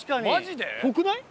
ぽくない？